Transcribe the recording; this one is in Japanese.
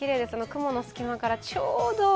雲の隙間からちょうど。